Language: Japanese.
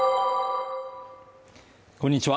こんにちは